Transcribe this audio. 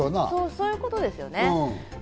そういうことですね。